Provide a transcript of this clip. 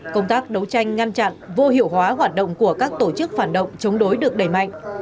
công tác đấu tranh ngăn chặn vô hiệu hóa hoạt động của các tổ chức phản động chống đối được đẩy mạnh